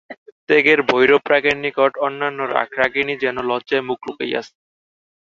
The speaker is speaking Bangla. ত্যাগের ভৈরবরাগের নিকট অন্যান্য রাগরাগিণী যেন লজ্জায় মুখ লুকাইয়াছে।